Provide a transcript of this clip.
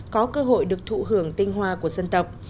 có cơ hội được thụ hưởng tinh hoa của dân tộc